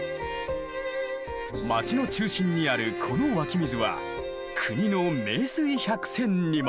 街の中心にあるこの湧き水は国の名水百選にも。